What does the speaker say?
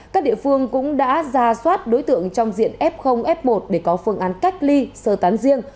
các địa phương cũng đã ra soát đối tượng trong diện f f một để có phương án cách ly sơ tán riêng